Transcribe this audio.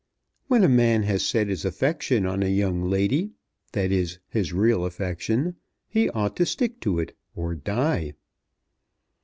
"When a man has set his affection on a young lady, that is, his real affection, he ought to stick to it, or die."